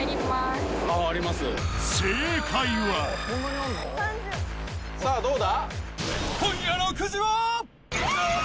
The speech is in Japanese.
正解はさぁどうだ？